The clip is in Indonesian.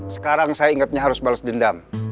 sekarang saya ingatnya harus balas dendam